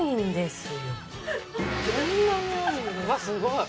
すごい。